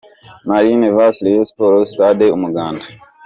Marines vs Rayon Sports –Sitade Umuganda.